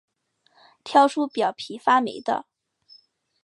挑出表皮发霉的